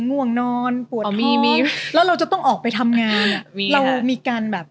ง่วงนอนปวดมีมีแล้วเราจะต้องออกไปทำงานอ่ะเรามีการแบบ